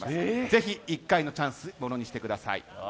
ぜひ１回のチャンスものにしてください。